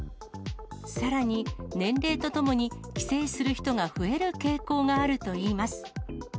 さらに年齢とともに、寄生する人が増える傾向があるといいます。